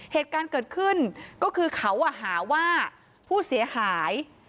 เหตุการณ์เกิดขึ้นก็คือเขาหาว่าผู้เสียหาย